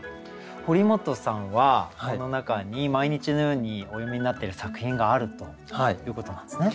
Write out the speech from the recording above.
堀本さんはこの中に毎日のようにお読みになっている作品があるということなんですね。